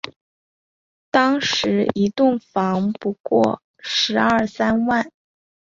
当时一栋房不过十二三万